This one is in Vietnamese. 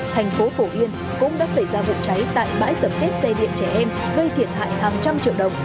thành phố phổ yên cũng đã xảy ra vụ cháy tại bãi tập kết xe điện trẻ em gây thiệt hại hàng trăm triệu đồng